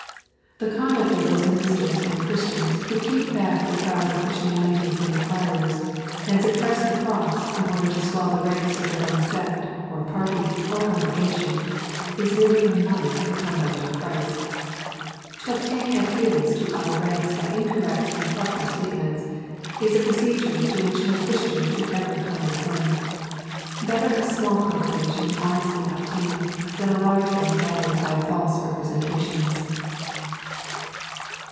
The conduct of those ministers and Christians who keep back the trials of Christianity from inquirers, and suppress the cross in order to swell the ranks of their own sect, or party, or congregjition, is very unlike the conduct of Christ. To obtain adherents to our ranks by incorrect and partial statements, is a procedure to which no Christian should ever condescend. Better a small congregation honestly obtained, than a large one gathered by false representations.